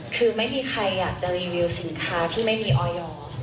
คือไม่มีใครอยากจะรีวิวสินค้าที่ไม่มีออยอร์